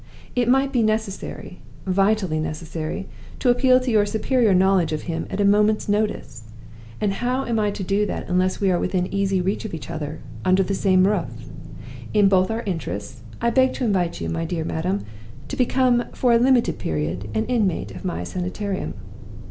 It might be necessary vitally necessary to appeal to your superior knowledge of him at a moment's notice. And how am I to do that unless we are within easy reach of each other, under the same roof? In both our interests, I beg to invite you, my dear madam, to become for a limited period an inmate of My Sanitarium."